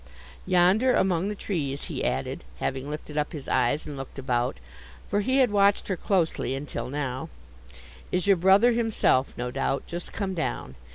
Yonder, among the trees,' he added, having lifted up his eyes and looked about; for he had watched her closely until now; 'is your brother himself; no doubt, just come down.